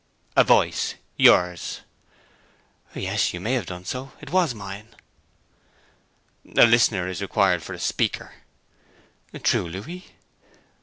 'A voice, yours.' 'Yes, you may have done so. It was mine.' 'A listener is required for a speaker.' 'True, Louis.'